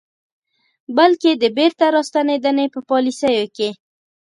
بلکې د بیرته راستنېدنې په پالیسیو کې